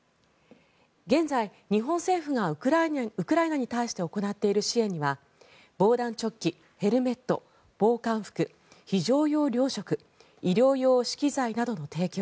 現在、日本政府がウクライナに対して行っている支援には防弾チョッキ、ヘルメット防寒服非常用糧食医療用資器材などの提供